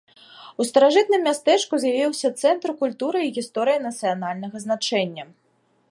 У старажытным мястэчку з'явіўся цэнтр культуры і гісторыі нацыянальнага значэння!